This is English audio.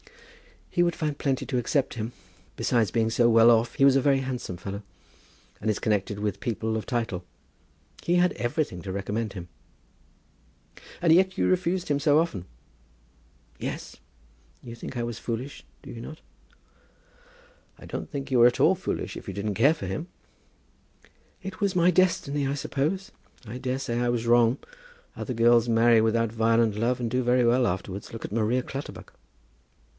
"He would find plenty to accept him. Besides being so well off he was a very handsome fellow, and is connected with people of title. He had everything to recommend him." "And yet you refused him so often?" "Yes. You think I was foolish; do you not?" "I don't think you were at all foolish if you didn't care for him." "It was my destiny, I suppose; I daresay I was wrong. Other girls marry without violent love, and do very well afterwards. Look at Maria Clutterbuck."